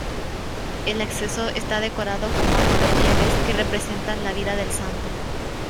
El acceso está decorado con bajorrelieves que representan la vida del santo.